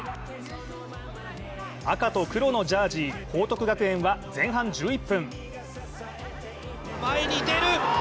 赤と黒のジャージ・報徳学園は前半１１分。